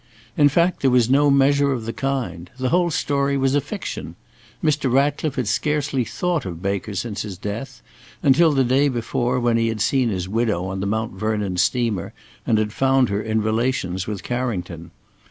In fact there was no measure of the kind. The whole story was a fiction. Mr. Ratcliffe had scarcely thought of Baker since his death, until the day before, when he had seen his widow on the Mount Vernon steamer and had found her in relations with Carrington.